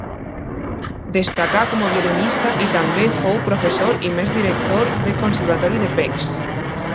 Destacà com a violinista i també fou professor i més director del Conservatori de Pécs.